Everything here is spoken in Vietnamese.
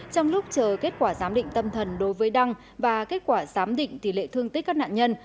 trong lúc chờ kết quả giám định tâm thần đối với đăng và kết quả giám định tỷ lệ thương tích các nạn nhân